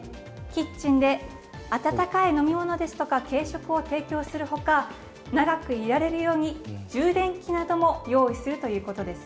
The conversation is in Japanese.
キッチンで温かい飲み物ですとか軽食を提供する他長くいられるように充電器なども用意するということです。